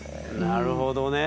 なるほどね。